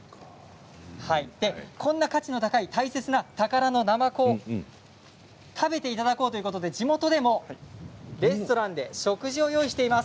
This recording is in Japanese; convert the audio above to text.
こんな価値の高い大切な宝のなまこを食べていただこうということで地元でもレストランで食事を用意しています。